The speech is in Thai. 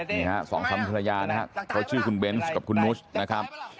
นี่ฮะสองสามภรรยานะครับเขาชื่อคุณเบนส์กับคุณนุชนะครับ